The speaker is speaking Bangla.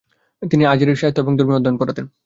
তিনি আজেরি, সাহিত্য এবং ধর্মীয় অধ্যয়ন পড়াতেন।